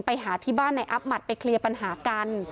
ไปหาที่บ้านในอัพหัดไปเคลียร์ปัญหากัน